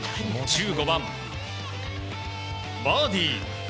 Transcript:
１５番、バーディー。